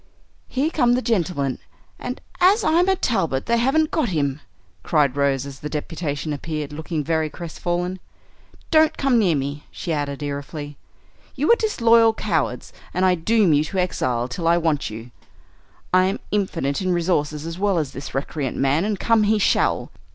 "Here come the gentlemen, and, as I'm a Talbot, they haven't got him!" cried Rose as the deputation appeared, looking very crestfallen. "Don't come near me," she added, irefully, "you are disloyal cowards, and I doom you to exile till I want you. I am infinite in resources as well as this recreant man, and come he shall.